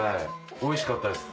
おいしかったです。